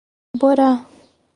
Borá